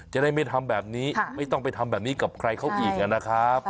จะได้ไม่ทำแบบนี้ไม่ต้องไปทำแบบนี้กับใครเขาอีกนะครับ